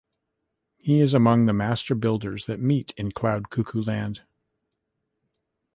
He is among the Master Builders that meet in Cloud Cuckoo Land.